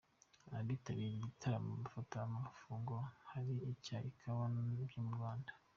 Abitabiriye igitaramo bafata amafunguro hari icyayi n'ikawa byo mu Rwanda.